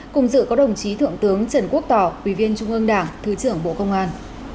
cùng dự có đồng chí thượng tướng trần quốc tỏ ủy viên trung ương đảng thứ trưởng bộ công an